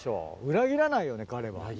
裏切らないよね。